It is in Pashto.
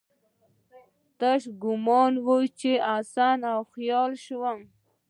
تش ګومان وم، حسن وخیال شوم